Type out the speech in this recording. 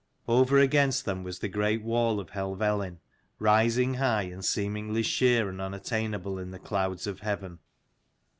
Over against them was the great wall of Helvellyn, rising high, and seemingly sheer and unattainable in the clouds of heaven.